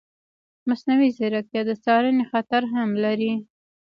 مصنوعي ځیرکتیا د څارنې خطر هم لري.